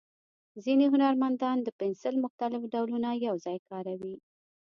ځینې هنرمندان د پنسل مختلف ډولونه یو ځای کاروي.